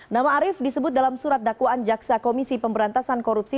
nama arief disebut dalam surat dakwaan jaksa komisi pemberantasan korupsi